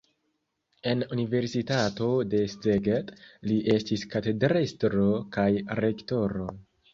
En universitato de Szeged li estis katedrestro kaj rektoro.